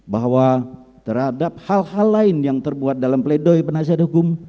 bahwa terhadap hal hal lain yang terbuat dalam pledoi penasihat hukum